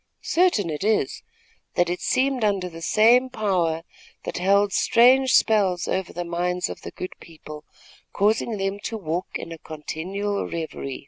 Certain it is, that it seemed under the same power, that held strange spells over the minds of the good people, causing them to walk in a continual revery.